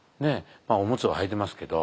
オムツははいてますけど。